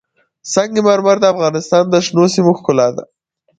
سنگ مرمر د افغانستان د شنو سیمو ښکلا ده.